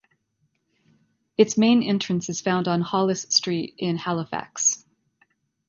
Its main entrance is found on Hollis Street in Halifax.